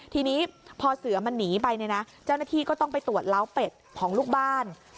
ทีนี้พอเสือมันหนีไปเนี่ยนะเจ้าหน้าที่ก็ต้องไปตรวจล้าวเป็ดของลูกบ้าน